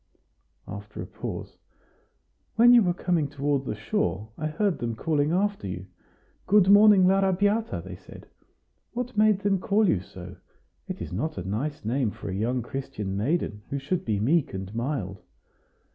After a pause: "When you were coming toward the shore, I heard them calling after you. 'Good morning, l'Arrabiata!' they said. What made them call you so? It is not a nice name for a young Christian maiden, who should be meek and mild."